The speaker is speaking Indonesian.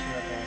buruan tuh mak